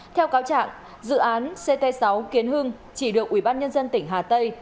theo cáo trạng dự án ct sáu kiến hưng chỉ được ubnd tỉnh hà tây